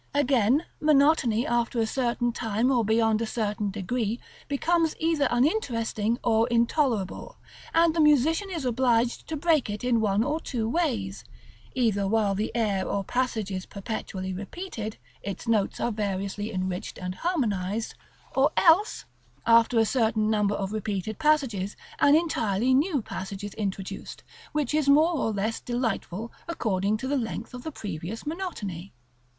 § XXXIV. Again, monotony after a certain time, or beyond a certain degree, becomes either uninteresting or intolerable, and the musician is obliged to break it in one or two ways: either while the air or passage is perpetually repeated, its notes are variously enriched and harmonized; or else, after a certain number of repeated passages, an entirely new passage is introduced, which is more or less delightful according to the length of the previous monotony.